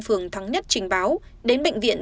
phường thắng nhất trình báo đến bệnh viện